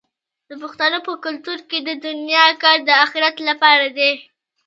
د پښتنو په کلتور کې د دنیا کار د اخرت لپاره دی.